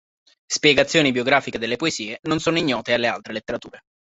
Spiegazioni biografiche delle poesie non sono ignote alle altre letterature.